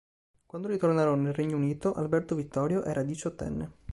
Quando ritornarono nel Regno Unito, Alberto Vittorio era diciottenne.